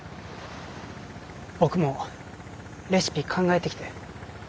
僕もレシピ考えてきて。